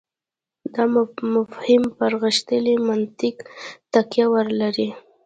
دا مفاهیم پر غښتلي منطق تکیه ولري.